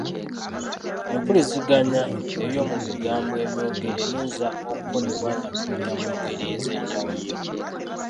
Empuliziganya ey’omu bigambo ebyogere eyinza okukolebwa nga tuyita mu ngeri ez'enjawulo.